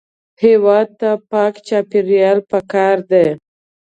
هېواد ته پاک چاپېریال پکار دی